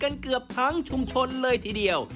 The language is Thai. เกือบทั้งชุมชนเลยทีเดียว